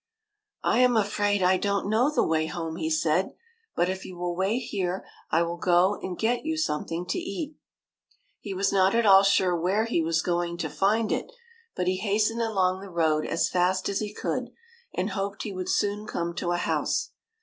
" I am afraid I don't know the way home," he said ;" but if you will wait here, I will go and get you something to eat." He was not at all sure where he was going to find it, but he hastened along the road as fast as he could and hoped he would soon come to a house.